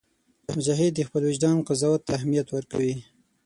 مجاهد د خپل وجدان قضاوت ته اهمیت ورکوي.